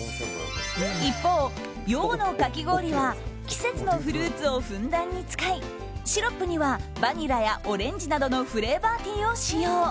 一方、洋のかき氷は季節のフルーツをふんだんに使いシロップにはバニラやオレンジなどのフレーバーティーを使用。